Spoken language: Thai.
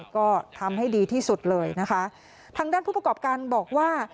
ก็ทำให้ดีที่สุดเลยนะคะทางด้านผู้ประกอบการบอกว่า